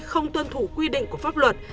không tuân thủ quy định của pháp luật